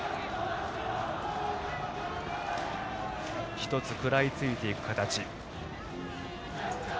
１つ食らいついていく形。